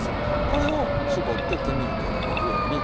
これを絞って手に受けられるように。